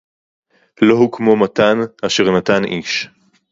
לֹא הוּא כְמוֹ מַתָּן אֲשֶׁר נָתַן אִישׁ